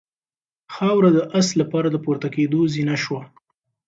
خاوره د آس لپاره د پورته کېدو زینه شوه.